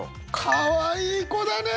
かわいい子だね。